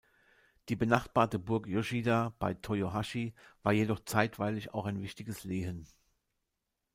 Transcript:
Die benachbarte Burg Yoshida bei Toyohashi war jedoch zeitweilig auch ein wichtiges Lehen.